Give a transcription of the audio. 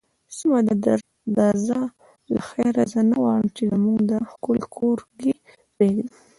سمه ده، درځه له خیره، زه نه غواړم چې زموږ دا ښکلی کورګی پرېږدم.